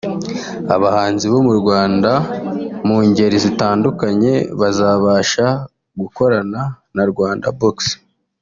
abahanzi bo mu Rwanda mu ngeri zitandukanye bazabasha gukorana na Rwandabox